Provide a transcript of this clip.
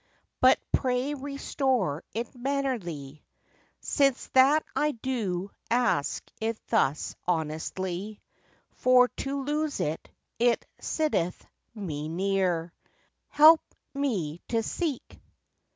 But pray restore it mannerly, Since that I do ask it thus honestly; For to lose it, it sitteth me near; Help me to seek!